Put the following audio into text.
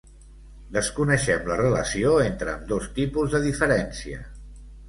Desconeixem la relació entre ambdós tipus de diferència.